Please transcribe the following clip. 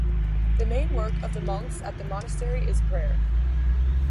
The main work of the monks at the monastery is prayer.